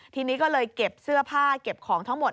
ทีนี้ก็เลยเก็บเสื้อผ้าเก็บของทั้งหมด